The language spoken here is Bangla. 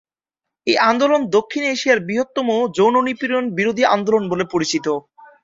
এই আন্দোলন দক্ষিণ এশিয়ার বৃহত্তম যৌন নিপীড়ন বিরোধী আন্দোলন বলে পরিচিত।